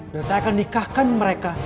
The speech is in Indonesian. dan saya akan nikahkan mereka